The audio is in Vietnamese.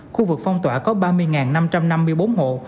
khu vực phong tỏa có ba mươi năm trăm năm mươi bốn hộ